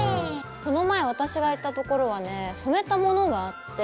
この前私が行ったところはね染めたものがあって。